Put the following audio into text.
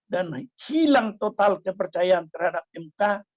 dan hilang total kepercayaan terhadap mk